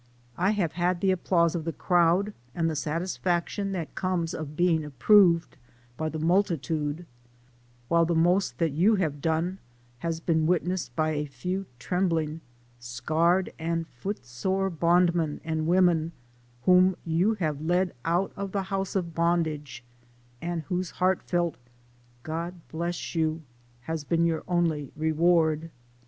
I have had the applause of the crowd and the satisfaction that comes of being approved by the multitude, while the most that you have done has been witnessed by a few trembling, scarred, and foot sore bondmen and women, whom you have led out of the house of bondage, and whose heartfelt " God bless you" has been your only reward.